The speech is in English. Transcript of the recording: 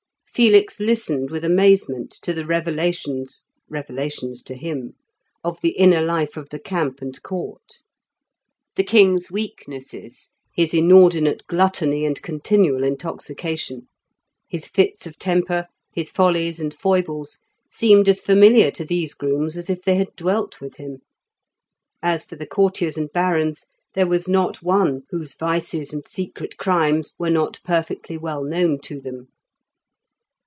Felix listened with amazement to the revelations (revelations to him) of the inner life of the camp and court. The king's weaknesses, his inordinate gluttony and continual intoxication, his fits of temper, his follies and foibles, seemed as familiar to these grooms as if they had dwelt with him. As for the courtiers and barons, there was not one whose vices and secret crimes were not perfectly well known to them.